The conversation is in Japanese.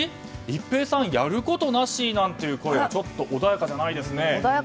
一平さんやることなしってちょっと穏やかじゃないですね。